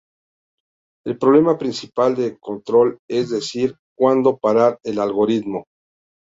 El problema principal de control es decidir cuándo parar el algoritmo.